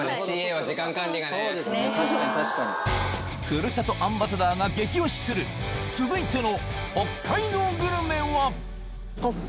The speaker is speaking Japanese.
ふるさとアンバサダーが激推しする続いての北海道グルメは？